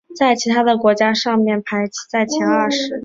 在其他的国家上面排在前二十。